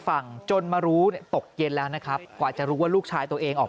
ฟังจนมารู้ตกเย็นแล้วนะครับกว่าจะรู้ว่าลูกชายตัวเองออก